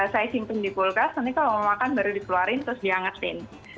saya simpan di kulkas nanti kalau mau makan baru dikeluarin terus diangetin